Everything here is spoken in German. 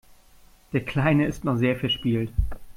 Der Kleine ist noch sehr verspielt.